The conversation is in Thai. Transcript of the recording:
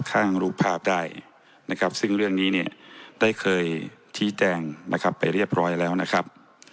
รูปภาพได้นะครับซึ่งเรื่องนี้เนี่ยได้เคยชี้แจงนะครับไปเรียบร้อยแล้วนะครับ